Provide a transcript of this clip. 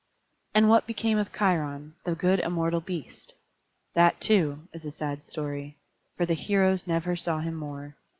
And what became of Cheiron, the good immortal beast? That, too, is a sad story; for the heroes never saw him more.